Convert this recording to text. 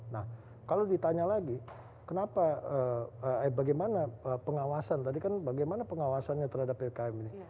nah kalau ditanya lagi kenapa bagaimana pengawasan tadi kan bagaimana pengawasannya terhadap ppkm ini